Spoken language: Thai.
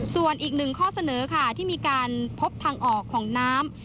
ส่วนอีกหนึ่งข้อเสนอค่ะที่มีการพบทางออกของน้ำ